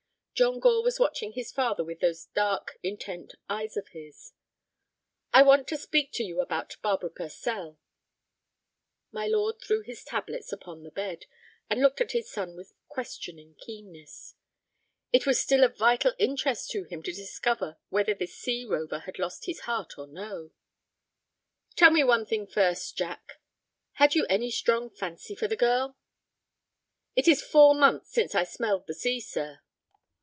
John Gore was watching his father with those dark, intent eyes of his. "I want to speak to you about Barbara Purcell." My lord threw his tablets upon the bed, and looked at his son with questioning keenness. It was still of vital interest to him to discover whether this sea rover had lost his heart or no. "Tell me one thing first, Jack. Had you any strong fancy for the girl?" "It is four months since I smelled the sea, sir."